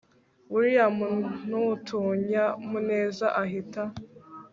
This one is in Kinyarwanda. william nutunyamuneza ahita